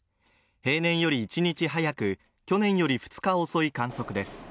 平年より１日早く、去年より２日遅い観測です。